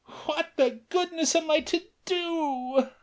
"What the goodness am I to DO?"